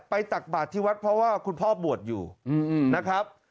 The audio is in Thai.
ตักบาทที่วัดเพราะว่าคุณพ่อบวชอยู่นะครับ